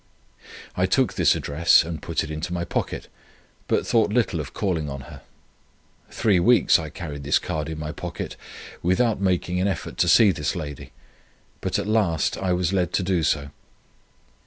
I took this address and put it into my pocket, but thought little of calling on her. Three weeks I carried this card in my pocket, without making an effort to see this lady; but at last I was led to do so.